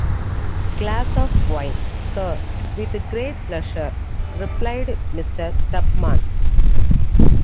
Glass of wine, Sir!’ ‘With great pleasure,’ replied Mr. Tupman.